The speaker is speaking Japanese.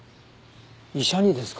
医者にですか？